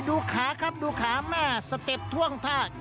ดูขาครับดูขาแม่สเต็ปท่วงธาตุ